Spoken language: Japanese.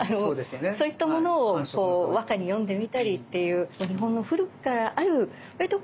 そういったものを和歌に詠んでみたりっていう日本の古くからあるわりと